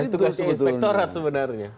dan tugasnya inspektorat sebenarnya